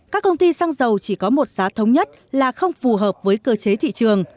các công ty xăng dầu chỉ có một giá thống nhất là không phù hợp với cơ chế thị trường